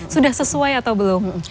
sudah sesuai atau belum